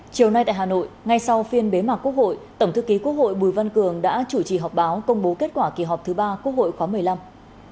chiều nay tại hà nội ngay sau phiên bế mạc quốc hội tổng thư ký quốc hội bùi văn cường đã chủ trì họp báo công bố kết quả kỳ họp thứ ba quốc hội khóa một mươi năm